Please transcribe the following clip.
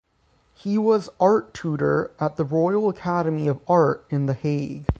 He was art tutor at the Royal Academy of Art in The Hague.